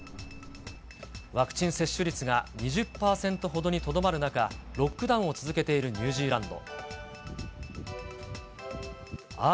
ワクチン接種率が２０％ほどにとどまる中、ロックダウンを続けているニュージーランド。